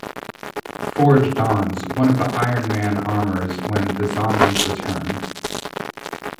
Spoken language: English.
Forge dons one of the Iron Man armors when the zombies return.